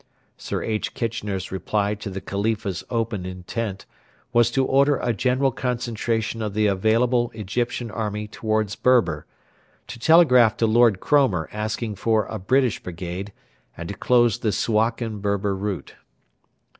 Sir H. Kitchener's reply to the Khalifa's open intent was to order a general concentration of the available Egyptian army towards Berber, to telegraph to Lord Cromer asking for a British brigade, and to close the Suakin Berber route.